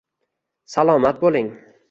Salomat boʻling.